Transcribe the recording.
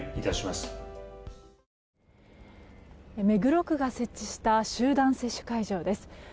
目黒区が設置した集団接種会場です。